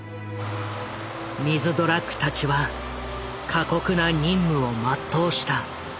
ミズドラックたちは過酷な任務を全うした。